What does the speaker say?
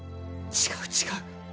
違う、違う！